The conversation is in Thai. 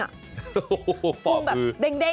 โอ้โฮฝ่าพื้นกุ้งแบบเด้งอะ